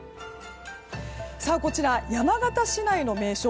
こちら、山形市内の名所